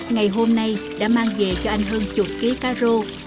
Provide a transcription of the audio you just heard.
ngày hôm nay đã mang về cho anh hơn chục ký cá rô